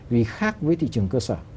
vì khác với thị trường cơ sở